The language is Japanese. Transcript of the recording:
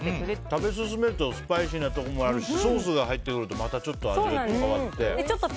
食べ進めるとスパイシーなところもあるしソースが入ってくるとまた味が変わって。